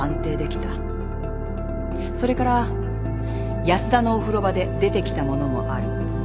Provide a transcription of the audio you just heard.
それから安田のお風呂場で出てきたものもある。